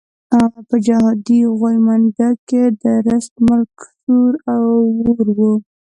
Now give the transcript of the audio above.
په جهادي غويمنډه کې درست ملک سور اور وو.